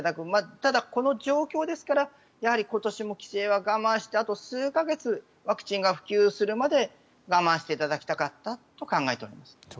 ただ、この状況ですから今年も帰省は我慢してあと数か月ワクチンが普及するまで我慢していただきたかったと考えております。